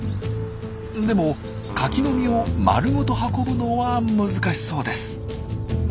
でもカキの実を丸ごと運ぶのは難しそうです。